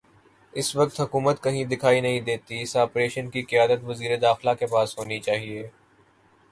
اس وقت حکومت کہیں دکھائی نہیں دیتی اس آپریشن کی قیادت وزیر داخلہ کے پاس ہونی چاہیے۔